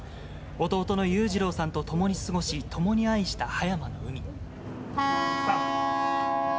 弟の裕次郎さんと共に過ごし、共に愛した葉山の海。